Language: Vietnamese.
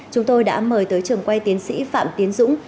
chúng tôi đã mời tới trường quay tiến sĩ phạm tiến dũng